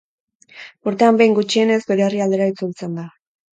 Urtean behin, gutxienez, bere herrialdera itzultzen da.